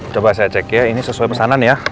coba saya cek ya ini sesuai pesanan ya